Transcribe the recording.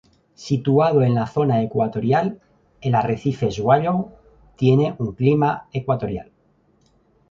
Situado en la zona ecuatorial, el Arrecife Swallow tiene un clima ecuatorial.